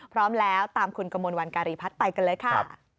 พร้อมแล้วตามคุณกมลวันการีพัฒน์ไปกันเลยค่ะ